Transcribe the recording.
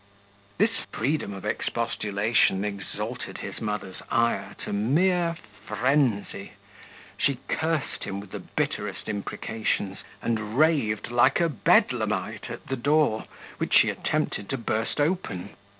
This freedom of expostulation exalted his mother's ire to mere frenzy: she cursed him with the bitterest imprecations, and raved like a bedlamite at the door, which she attempted to burst open.